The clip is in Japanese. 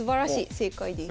正解です。